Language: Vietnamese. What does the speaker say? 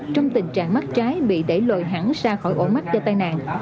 trong tình trạng mắt trái bị để lồi hẳn ra khỏi ổ mắt do tai nạn